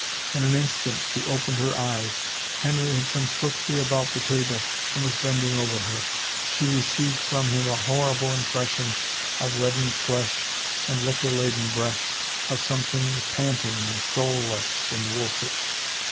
In an instant she opened her eyes. Henry had come swiftly about the table and was bending over her. She received from him a horrible im pression of reddened flesh and liquor laden breath, of something panting and soulless and wolfish.